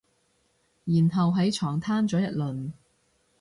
然後喺床攤咗一輪